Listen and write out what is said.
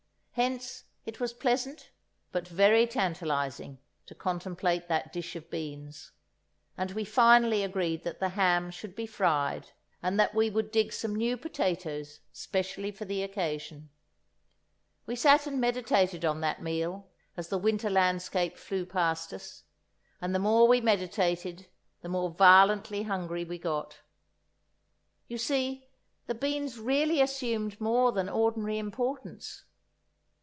Hence, it was pleasant, but very tantalizing, to contemplate that dish of beans, and we finally agreed that the ham should be fried, and that we would dig some new potatoes specially for the occasion. We sat and meditated on that meal, as the winter landscape flew past us, and the more we meditated the more violently hungry we got. You see, the beans really assumed more than ordinary importance.